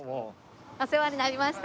お世話になりました。